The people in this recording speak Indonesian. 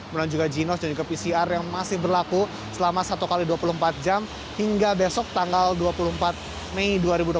kemudian juga ginos dan juga pcr yang masih berlaku selama satu x dua puluh empat jam hingga besok tanggal dua puluh empat mei dua ribu dua puluh